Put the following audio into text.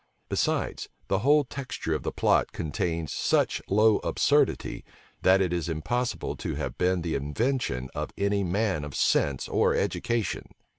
Besides, the whole texture of the plot contains such low absurdity, that it is impossible to have been the invention of any man of sense or education.